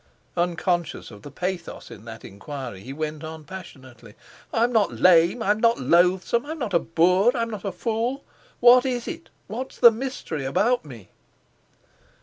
Unconscious of the pathos in that enquiry, he went on passionately: "I'm not lame, I'm not loathsome, I'm not a boor, I'm not a fool. What is it? What's the mystery about me?"